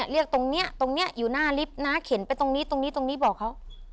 เรียกตรงนี้ตรงนี้อยู่หน้าลิฟต์นะเข็นไปตรงนี้ตรงนี้ตรงนี้บอกเขา